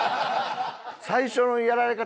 最初のやられ方